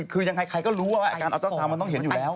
คือยังไงใครก็รู้ว่าการเอาเจ้าสาวมันต้องเห็นอยู่แล้ว